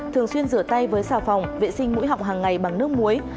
thường xuyên rửa tay với xà phòng vệ sinh mũi họng hàng ngày bằng nước muối